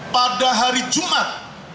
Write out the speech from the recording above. pada hari jumat